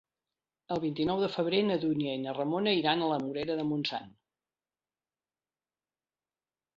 El vint-i-nou de febrer na Dúnia i na Ramona iran a la Morera de Montsant.